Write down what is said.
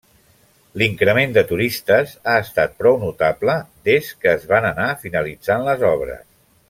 L'increment de turistes ha estat prou notable des que es van anar finalitzant les obres.